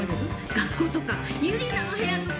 学校とかユリナの部屋とか。